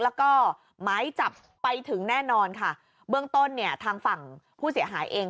แล้วก็หมายจับไปถึงแน่นอนค่ะเบื้องต้นเนี่ยทางฝั่งผู้เสียหายเอง